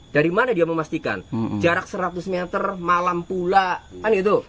dari mana dia memastikan jarak seratus meter malam pula kan gitu